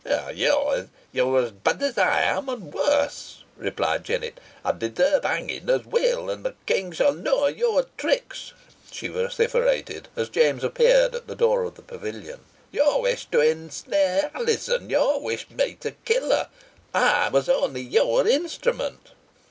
"Yo are os bad as ey am, and warse," replied Jennet, "and deserve hanging os weel, and the King shan knoa of your tricks," she vociferated, as James appeared at the door of the pavilion. "Yo wished to ensnare Alizon. Yo wished me to kill her. Ey was only your instrument."